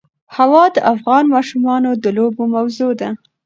هوا د افغان ماشومانو د لوبو موضوع ده.